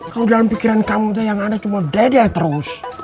kalau dalam pikiran kamu tuh yang ada cuma dedeh terus